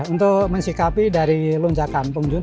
untuk mensikapi dari lonjakan pengunjung